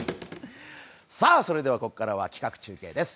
それではここからは企画中継です。